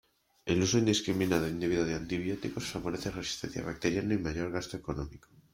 El uso indiscriminado e indebido de antibióticos, favorece resistencia bacteriana y mayor gasto económico.